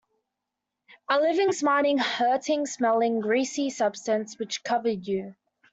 A living, smarting, hurting, smelling, greasy substance which covered you.